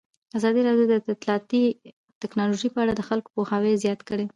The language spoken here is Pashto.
ازادي راډیو د اطلاعاتی تکنالوژي په اړه د خلکو پوهاوی زیات کړی.